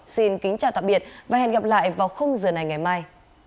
xin kính chào tạm biệt và hẹn gặp lại vào khung giờ này ngày mai